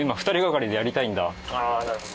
ああなるほど。